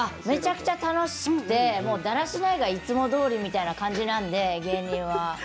めちゃくちゃ楽しくてだらしないが、いつもどおりみたいな感じなんで芸人は。